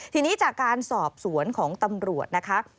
ทีนี้จากการสอบสวนของตำรวจนะคะ